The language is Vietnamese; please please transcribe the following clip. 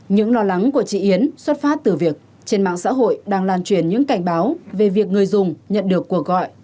những lo lắng của chị yến xuất phát từ việc trên mạng xã hội đang lan truyền những cảnh báo về việc người dùng nhận được cuộc gọi